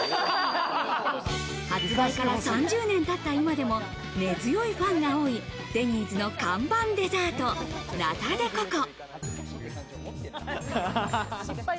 発売から３０年経った今でも根強いファンが多いデニーズの看板デザート、ナタデココ。